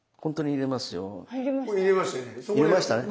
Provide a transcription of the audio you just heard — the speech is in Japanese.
入れましたね。